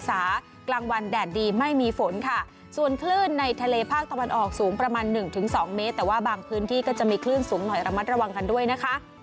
ส่วนคลื่นในทะเลภาคตะบันออกสูงประมาณ๑๒เมตรแต่ว่าบางพื้นที่ก็จะมีคลื่นสูงหน่อยระมัดระวังกันด้วยนะคะ